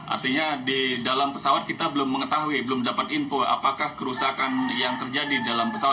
artinya di dalam pesawat kita belum mengetahui belum dapat info apakah kerusakan yang terjadi dalam pesawat